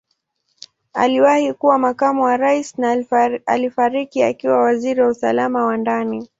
Aliwahi kuwa Makamu wa Rais na alifariki akiwa Waziri wa Usalama wa Ndani.